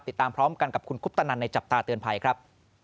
ติดตามพร้อมกันกับคุณคุปตนันในจับตาเตือนภัยครับ